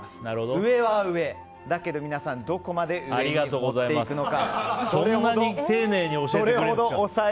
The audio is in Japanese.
上は上だけれども皆さん、どこまで上に持っていくのか。